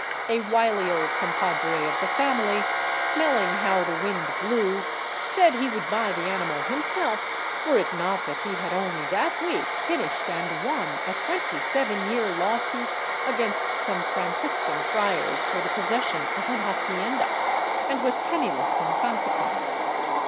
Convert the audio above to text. A wily old compadre of the family, smelling how the wind blew, said he would buy the animal himself were it not that he had only that week finished and a won a 27 year lawsuit against some Franciscan friars for the possession of an hacienda, and was penniless in consequence.